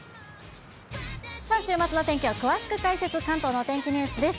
週末の天気を詳しく解説、関東のお天気ニュースです。